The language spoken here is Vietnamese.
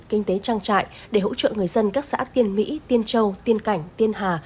kinh tế trang trại để hỗ trợ người dân các xã tiên mỹ tiên châu tiên cảnh tiên hà